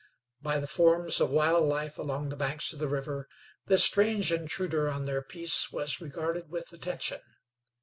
By the forms of wild life along the banks of the river, this strange intruder on their peace was regarded with attention.